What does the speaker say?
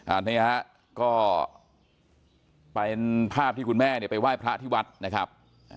อันนี้ฮะก็เป็นภาพที่คุณแม่เนี่ยไปไหว้พระที่วัดนะครับ